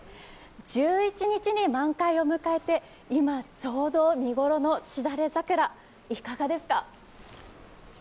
１１日に満開を迎えて、今、ちょうど見頃のシダレザクラ、いかがですか。